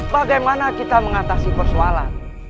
bagaimana kita mengatasi persoalan